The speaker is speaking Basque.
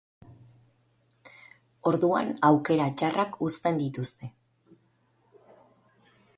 Orduan aukera txarrak uzten dizkizute.